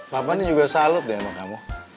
papa ini juga salut deh sama kamu